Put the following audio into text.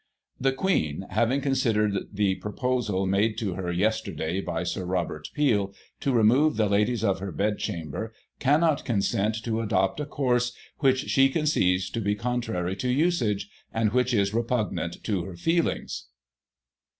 "* The Queen, having considered the proposal made to her, yesterday, by Sir Robert Peel, to remove the Ladies of her Bedchamber, cannot consent to adopt a course which she conceives to be contrary to usage, and which is repugnant to her feelings.'